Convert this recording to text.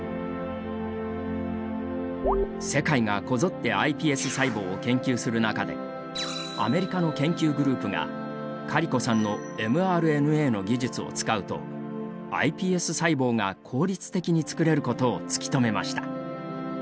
世界がこぞってｉＰＳ細胞を研究する中でアメリカの研究グループがカリコさんのｍＲＮＡの技術を使うとｉＰＳ細胞が効率的に作れることを突き止めました。